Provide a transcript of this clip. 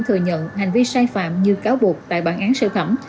thừa nhận hành vi sai phạm như cáo buộc tại bản án sơ thẩm